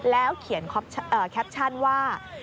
แล้วเขียนแคปชั่นว่า